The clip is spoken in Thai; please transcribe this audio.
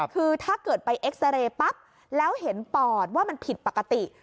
คือถ้าเกิดไปเอ็กซาเรย์ปั๊บแล้วเห็นปอดว่ามันผิดปกติ